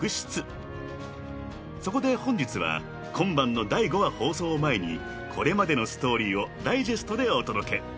［そこで本日は今晩の第５話放送を前にこれまでのストーリーをダイジェストでお届け］